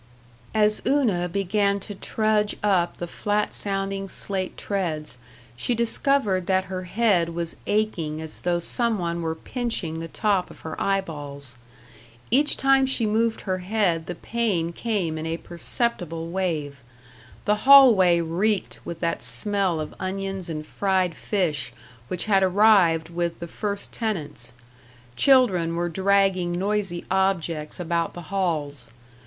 § 6 As Una began to trudge up the flat sounding slate treads she discovered that her head was aching as though some one were pinching the top of her eyeballs. Each time she moved her head the pain came in a perceptible wave. The hallway reeked with that smell of onions and fried fish which had arrived with the first tenants. Children were dragging noisy objects about the halls.